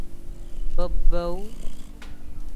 Baabaawu.